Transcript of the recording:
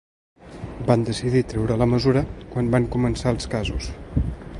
Van decidir treure la mesura quan van començar els casos.